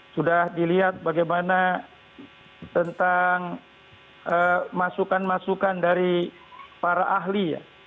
sudah dilihat bagaimana tentang masukan masukan dari para ahli ya